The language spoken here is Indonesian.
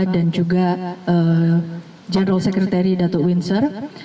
dan juga general secretary datuk winzer